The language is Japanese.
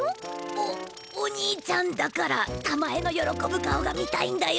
おお兄ちゃんだからたまえのよろこぶ顔が見たいんだよ。